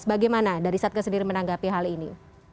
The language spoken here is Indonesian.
bagaimana dari satka sendiri menanggapi hal ini